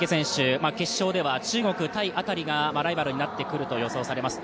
中国、タイあたりがライバルになってくると予想されます。